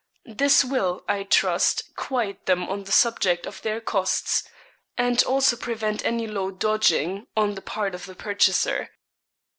This will, I trust, quiet them on the subject of their costs, and also prevent any low dodging on the part of the purchaser.'